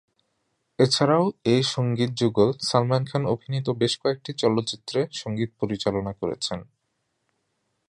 এছাড়াও এই সঙ্গীত যুগল সালমান খান অভিনীত বেশ কয়েকটি চলচ্চিত্রে সঙ্গীত পরিচালনা করেছেন।